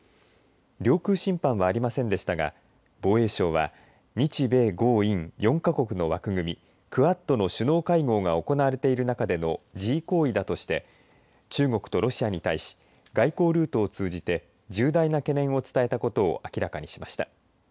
領空侵犯は、ありませんでしたが防衛省は日米豪印４か国の枠組みクアッドの首脳会合が行われている中での示威行為だとして中国とロシアに対し外交ルートを通じて重大な懸念を伝えたことを明らかにしました。